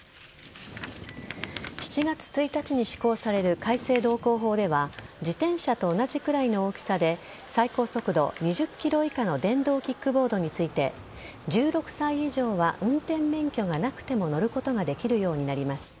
７月１日に施行される改正道交法では自転車と同じくらいの大きさで最高速度２０キロ以下の電動キックボードについて１６歳以上は運転免許がなくても乗ることができるようになります。